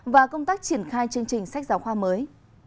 và công tác triển khai chương trình sách giáo khoa mới